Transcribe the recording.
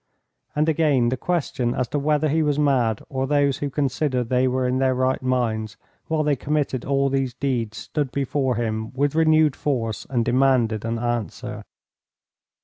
And again the question as to whether he was mad or those who considered they were in their right minds while they committed all these deeds stood before him with renewed force and demanded an answer.